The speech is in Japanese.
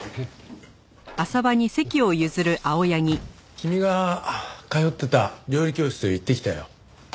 君が通ってた料理教室へ行ってきたよ。